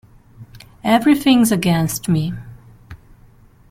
Everything’s against me.